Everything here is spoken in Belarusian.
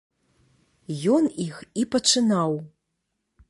Ён іх і пачынаў.